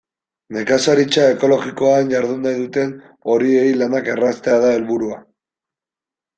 Nekazaritza ekologikoan jardun nahi duten horiei lanak erraztea da helburua.